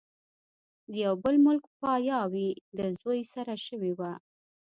د يو بل ملک پاياوي د زوي سره شوې وه